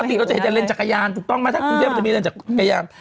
ปกติเราจะเห็นแต่เลนจักรยานถูกต้องไหมถ้ากรุงเทพมันจะมีเลนจักรยาน